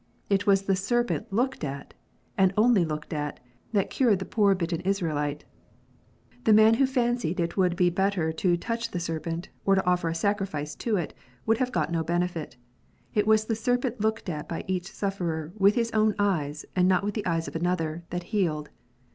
It was the serpent looked at, and only looked at, that cured the poor bitten Israelite. The man who fancied it would be better to touch the serpent, or to offer a sacrifice to it, would have got no benefit. It was the serpent looked at by each sufferer with his own eyes, and not with the eyes of another, that healed.